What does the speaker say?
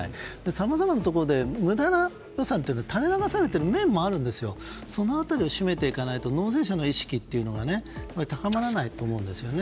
さまざまなところで無駄な予算が垂れ流されている面もあるのでその辺りを締めていかないと納税者の意識が高まらないと思うんですね。